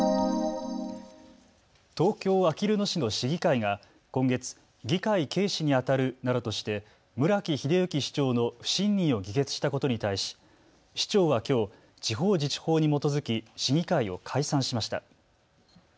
東京あきる野市の市議会が今月、議会軽視にあたるなどとして村木英幸市長の不信任を議決したことに対し市長はきょう地方自治法に基づき市議会を解散しました。